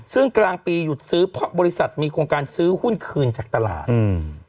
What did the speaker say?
ซึ่งกลางปีหยุดซื้อเพราะบริษัทมีโครงการซื้อหุ้นคืนจากตลาดอืม